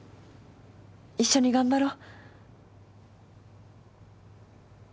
一緒に頑張ろう。